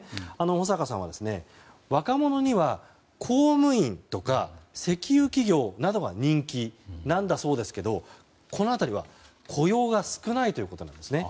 保坂さんは、若者には公務員とか石油企業などが人気なんだそうですけどこの辺りは雇用が少ないということなんですね。